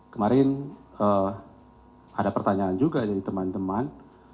kemarin ada pertanyaan juga dari teman teman